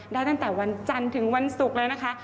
ได้ตั้งแต่วันจันทร์ถึงวันศุกร์แล้วนะคะ